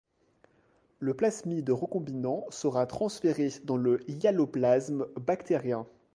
Le plasmide recombinant sera transféré dans le hyaloplasme bactérien.